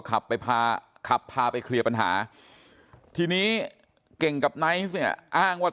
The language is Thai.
ขับไปพาขับพาไปเคลียร์ปัญหาทีนี้เก่งกับไนท์เนี่ยอ้างว่า